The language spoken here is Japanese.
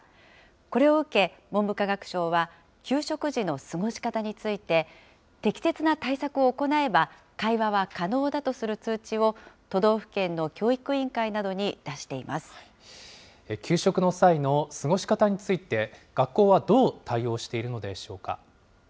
これを受け、文部科学省は給食時の過ごし方について、適切な対策を行えば、会話は可能だとする通知を都道府県の教育委員会などに出していま給食の際の過ごし方について、学校はどう対応しているのでしょうか。